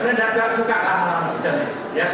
menandatang suka lah lama sekali